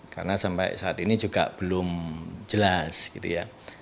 karena sampai saat ini juga belum jelas gitu ya